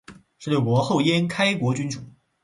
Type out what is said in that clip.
十六国后燕开国君主。